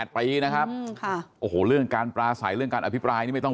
ปีนะครับโอ้โหเรื่องการปลาใสเรื่องการอภิปรายนี่ไม่ต้อง